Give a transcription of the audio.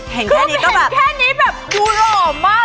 ห็นแค่นี้แบบดูหรอมาก